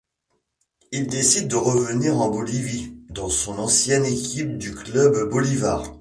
Il décide de revenir en Bolivie, dans son ancienne équipe du Club Bolívar.